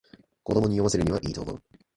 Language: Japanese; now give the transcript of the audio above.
子供に読ませるにはいいと思う